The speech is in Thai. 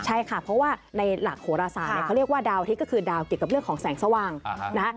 ใช่ค่ะเพราะว่าในหลักโหรศาสตร์เนี่ยเขาเรียกว่าดาวอาทิตย์ก็คือดาวเกี่ยวกับเรื่องของแสงสว่างนะคะ